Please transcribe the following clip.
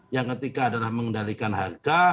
yang ketiga adalah mengendalikan harga